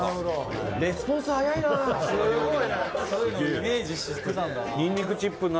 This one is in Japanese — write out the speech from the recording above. レスポンス早いなあ。